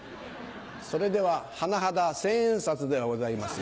それでは甚だ千円札ではございますが。